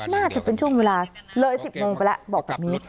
น่าจะเป็นช่วงเวลาเลย๑๐โมงไปแล้วบอกแบบนี้